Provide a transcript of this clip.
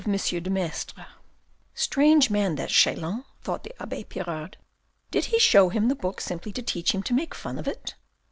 de Maistre " Strange man, that Chelan," thought the abbe Pirard. " Did he show him the book simply to teach him to make fun of it ?